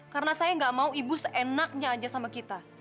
karena saya nggak mau ibu seenaknya aja sama kita